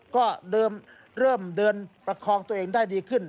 ก็เริ่มเดินประคองตัวเองได้ดีขึ้น